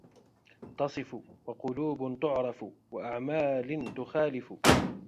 تَصِفُ ، وَقُلُوبٍ تَعْرِفُ ، وَأَعْمَالٍ تُخَالِفُ